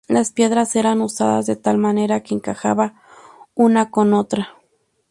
Las piedras eran usadas de tal manera que encajaba una con otra.